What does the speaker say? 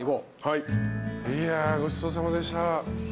いやごちそうさまでした。